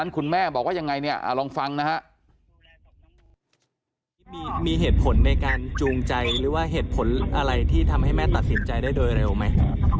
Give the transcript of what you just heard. กลุ่มใจหรือว่าเหตุผลอะไรที่ทำให้แม่ตัดสินใจได้โดยเร็วไหม